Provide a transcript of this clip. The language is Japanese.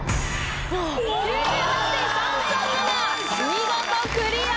見事クリア。